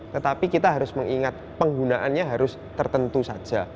tetapi kita harus mengingat penggunaannya harus tertentu saja